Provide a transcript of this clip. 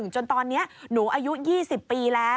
จนตอนนี้หนูอายุ๒๐ปีแล้ว